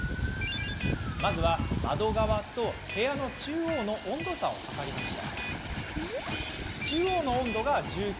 まずは、窓側と部屋の中央の温度差を測りました。